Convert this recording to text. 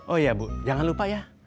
oh iya bu jangan lupa ya